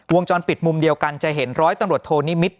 วงจรปิดมุมเดียวกันจะเห็นร้อยตำรวจโทนิมิตร